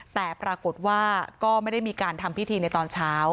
แต่ปรากฏว่าก็ไม่ได้มีการทำพิธีในตอนเช้า